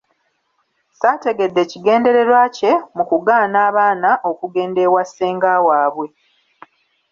Saategedde kigendererwa kye mu kugaana abaana okugenda ewa ssenga waabwe.